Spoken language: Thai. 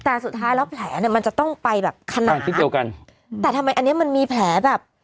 แต่สุดท้ายแล้วแผลเนี้ยมันจะต้องไปแบบขนาดที่เดียวกันแต่ทำไมอันเนี้ยมันมีแผลแบบ